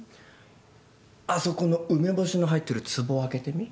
あそこの梅干しの入ってるつぼ開けてみ。